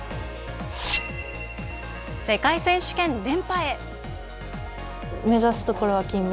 世界選手権、連覇へ。